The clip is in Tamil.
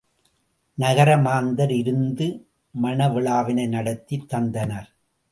நகரமாந்தர் இருந்து மண விழாவினை நடத்தித் தந்தனர்.